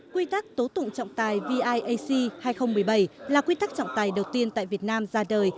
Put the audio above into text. quy tắc tố tụng trọng tài vi ac hai nghìn một mươi bảy là quy tắc trọng tài đầu tiên tại việt nam ra đời